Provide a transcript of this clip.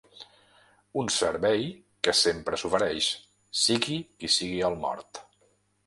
Un servei que sempre s’ofereix, sigui qui sigui el mort.